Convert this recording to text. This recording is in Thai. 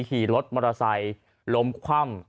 ขี่รถมอเตอร์ไซค์ล้มคว่ำ